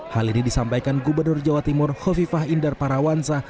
hal ini disampaikan gubernur jawa timur hovifah indar parawansa